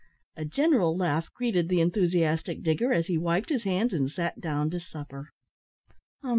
A general laugh greeted the enthusiastic digger, as he wiped his hands and sat down to supper.